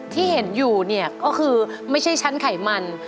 ที่เห็นอยู่เนี่ยก็คือไม่ใช่ชั้นไขมัน